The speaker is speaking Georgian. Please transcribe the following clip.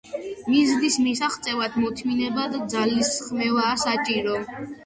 მიზნის მისაღწევად მოთმინება და ძალისხმევაა საჭირო